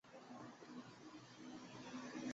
年七十二。